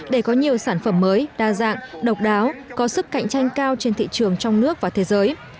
để có nhiều sản phẩm mới đa dạng độc đáo có sức cạnh tranh cao trên thị trường trong nước và thế giới